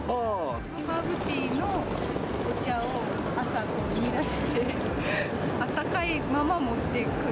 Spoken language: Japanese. ハーブティーのお茶を朝、煮出して、あったかいまま持っていく。